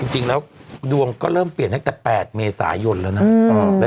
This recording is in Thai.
จริงแล้วดวงก็เริ่มเปลี่ยนตั้งแต่๘เมษายนแล้วนะ